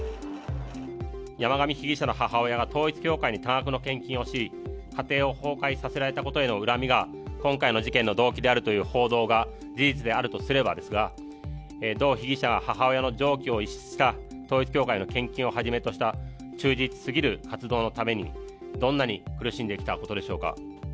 山上被疑者の母親が統一教会に多額の献金をし、家庭を崩壊させられたことへの恨みが、今回の事件の動機であるという報道が事実であるとすればですが、同被疑者が母親の常軌を逸した統一教会への献金をはじめとした忠実すぎる活動のために、どんなに苦しんできたことでしょうか。